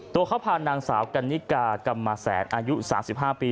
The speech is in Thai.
ตัวเขาพานางสาวกันนิกากรรมแสนอายุ๓๕ปี